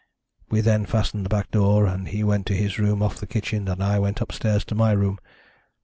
We then fastened the back door, and he went to his room off the kitchen, and I went upstairs to my room.